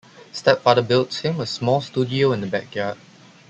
Stepfather builds him a small studio in the backyard.